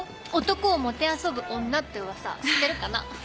男をもてあそぶ女って噂知ってるかな？